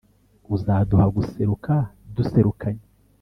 uzaduha guseruka , duserukanye